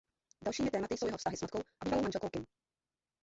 Dalšími tématy jsou jeho vztahy s matkou a bývalou manželkou Kim.